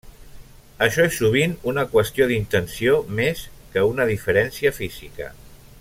Això és sovint una qüestió d'intenció més que una diferència física.